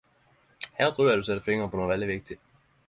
Her trur eg du sett fingeren på noko veldig viktig.